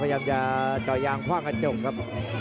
พยายามจะเจาะยางคว่างกระจกครับ